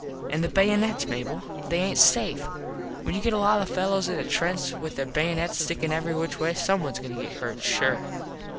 An these baynuts, Mable. They aint safe. When you get a lot of fellos in a trench with there baynuts stickin every which way some ones goin to get hurt sure.